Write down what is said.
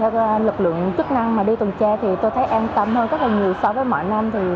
kèm theo lực lượng chức năng mà đi tuần tre thì tôi thấy an tâm hơn rất là nhiều so với mọi năm